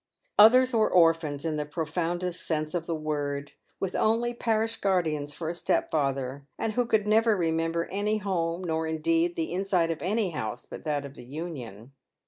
Others were orphans in the profoundest sense of the word, with only parish guardians for a step father, and who could never remember any home, nor, indeed, the inside of any house but that of the Union.